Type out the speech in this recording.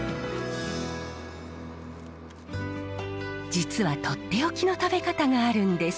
実はとっておきの食べ方があるんです。